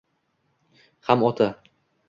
Ham ota